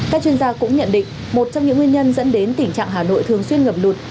các chuyên gia cũng nhận định một trong những nguyên nhân dẫn đến tình trạng hà nội thường xuyên ngập lụt